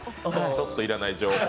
ちょっと要らない情報。